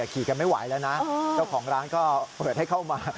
ขี่กันไม่ไหวแล้วนะเจ้าของร้านก็เปิดให้เข้ามา